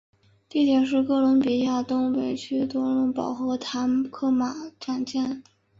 地点是哥伦比亚特区东北部托腾堡站和塔科马站间。